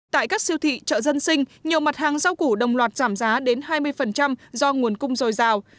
tại các siêu thị chợ dân sinh nhiều mặt hàng rau củ đồng loạt giảm giá đến hai mươi do nguồn cung dồi dào